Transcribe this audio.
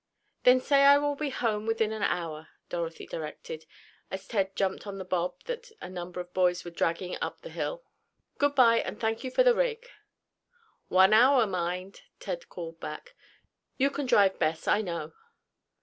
"Then say I will be home within an hour," Dorothy directed, as Ted jumped on the bob that a number of boys were dragging up the hill. "Good bye, and thank you for the rig." "One hour, mind," Ted called back. "You can drive Bess, I know."